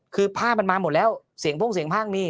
คือภาพมันมาหมดแล้วเสียงพ่งเสียงข้างนี่